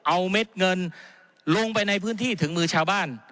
เอาเม็ดเงินลงไปในพื้นที่ถึงมือชาวบ้าน